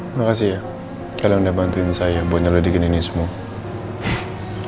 makasih ya kalian udah bantuin saya buat nyelidikin ini semua